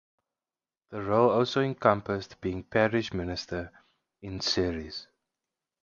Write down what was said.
The role also encompassed being parish minister of Ceres.